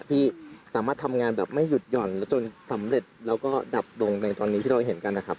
ที่สามารถทำงานแบบไม่หยุดหย่อนจนสำเร็จแล้วก็ดับลงในตอนนี้ที่เราเห็นกันนะครับ